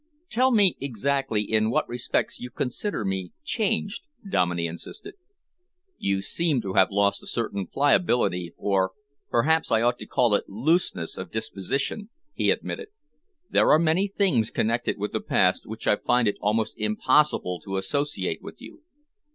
"Tell me exactly in what respects you consider me changed?" Dominey insisted. "You seem to have lost a certain pliability, or perhaps I ought to call it looseness of disposition," he admitted. "There are many things connected with the past which I find it almost impossible to associate with you.